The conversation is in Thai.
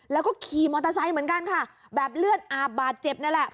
แล้วก็ขี่มอเตอร์ไซค์เหมือนกันค่ะแบบเลือดอาบบาดเจ็บนั่นแหละ